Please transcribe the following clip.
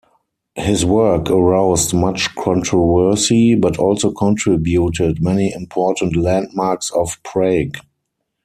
His work aroused much controversy, but also contributed many important landmarks of Prague.